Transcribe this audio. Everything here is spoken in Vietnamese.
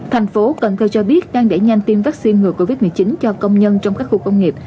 thành phố cần thơ cho biết đang đẩy nhanh tiêm vaccine ngừa covid một mươi chín cho công nhân trong các khu công nghiệp